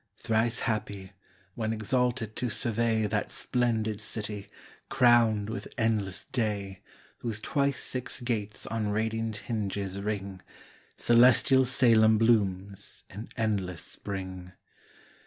Thrice happy, when exalted to survey That splendid city, crown'd with endless day, Whose twice six gates on radiant hinges ring: Celestial Salem blooms in endless spring.